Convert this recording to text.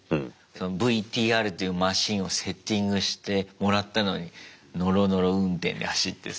ＶＴＲというマシンをセッティングしてもらったのにのろのろ運転で走ってさ。